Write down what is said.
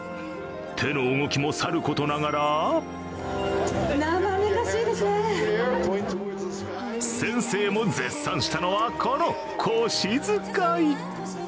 手の動きもさることながら先生も絶賛したのは、この腰使い。